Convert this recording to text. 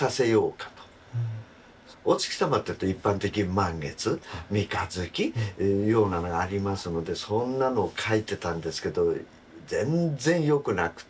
お月様っていうと一般的に満月三日月ようなのがありますのでそんなのを描いてたんですけど全然よくなくて。